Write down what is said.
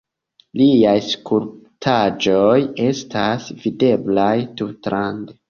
Liaj skulptaĵoj estas videblaj tutlande.